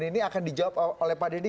ini akan dijawab oleh pak denny